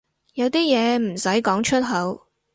有啲嘢唔使講出口